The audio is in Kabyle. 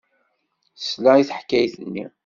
Tesla i teḥkayt-nni.